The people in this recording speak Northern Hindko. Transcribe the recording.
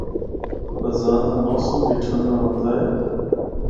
خزاں دا موسم بھی ٹھنڈا ہوندا اے۔